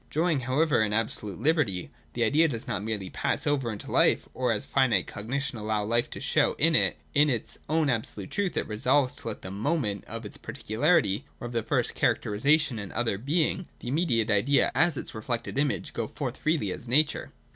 Enjoying how ever an absolute liberty, the Idea does not merely pass over into life, or as finite cognition allow life to show in it : in its own absolute truth it resolves to let the ' moment ' of its particularity, or of the first charac terisation and other being, the immediate idea, as its reflected image, go forth freely as Nature.